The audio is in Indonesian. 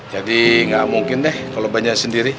jadi gak mungkin deh kalau belanja sendiri